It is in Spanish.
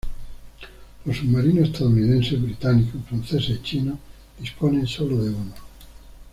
Los submarinos estadounidenses, británicos, franceses y chinos disponen solo de uno.